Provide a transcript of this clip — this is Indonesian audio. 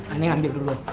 ane ambil berdua